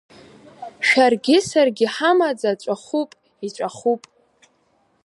Шәаргьы-саргь ҳамаӡа ҵәахуп, иҵәахуп!